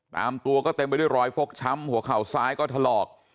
ตามตัวก็เต็มไปด้วยรอยฟกช้ำหัวเข่าซ้ายก็ถลอก